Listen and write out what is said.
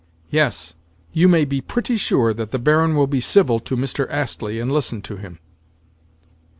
Yes, you may be pretty sure that the Baron will be civil to Mr. Astley, and listen to him.